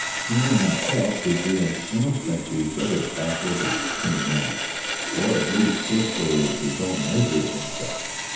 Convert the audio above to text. He knew himself to be an inoffensive, rather backward and timid man, or at least this was his own measure of himself.